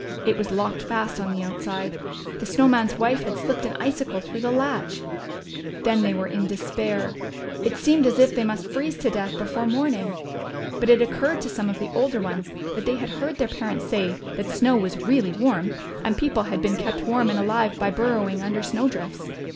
It was locked fast on the outside. The Snow Man's wife had slipped an icicle through the latch. Then they were in despair. It seemed as if they must freeze to death before morning. But it occurred to some of the older ones that they had heard their parents say that snow was really warm, and people had been kept warm and alive by burrowing under snow drifts.